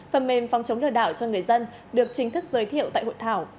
phần mềm phòng chống lừa đảo cho người dân được chính thức giới thiệu tại hội thảo